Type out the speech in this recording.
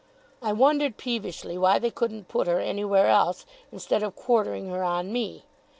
I wondered peevishly why they couldn't put her anywhere else instead of quartering her on me.